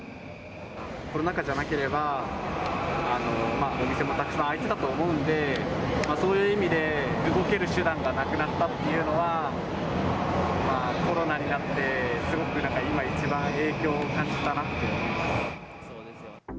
コロナ禍じゃなければ、お店もたくさん開いてたと思うんで、そういう意味で動ける手段がなくなったっていうのは、コロナになってすごく、今一番、影響を感じたなって思います。